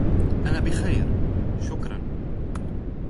أنا بخير، شكرا.